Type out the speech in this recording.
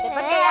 jadi pakai ya